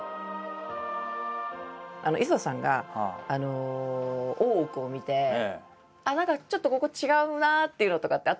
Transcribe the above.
磯田さんが「大奥」を見て何かちょっとここ違うなっていうのとかってあったんですか？